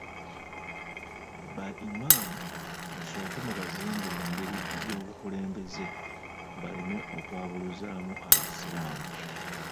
Ba Imam musooke mubazimbe mu ngeri y'obukulembeze, baleme okwabuluzaamu abasiraamu.